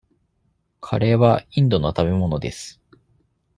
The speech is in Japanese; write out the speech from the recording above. カレーはインドの食べ物です。